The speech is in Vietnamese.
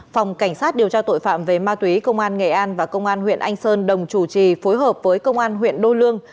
phòng cảnh sát điều tra tội phạm về ma túy công an nghệ an và công an huyện anh sơn đồng chủ trì phối hợp với công an huyện đô lương